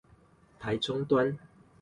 台中端